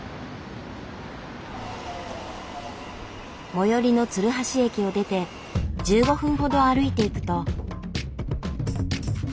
最寄りの鶴橋駅を出て１５分ほど歩いていくと。